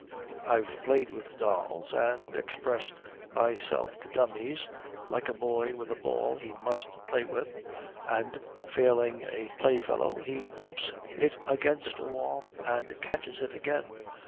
I've played with dolls, and expressed myself to dummies like a boy with a ball he must play with, and failing a playfellow he bumps it against a wall and catches it again.